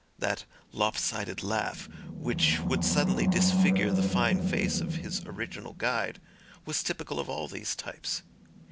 That lop sided laugh, which would suddenly disfigure the fine face of his original guide, was typical of all these types.